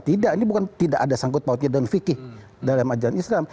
tidak ini bukan tidak ada sangkut pautnya daun fikih dalam ajaran islam